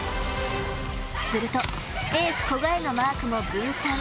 するとエース古賀へのマークも分散。